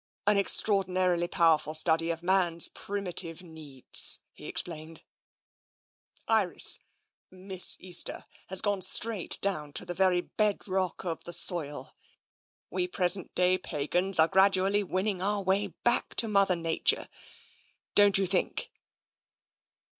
" An ex traordinarily powerful study of man's primitive needs," he explained. " Iris — Miss Easter — has gone straight down to the very bed rock of the soil. We present day pagans are gradually winning our way back to Mother Nature, don't you think?"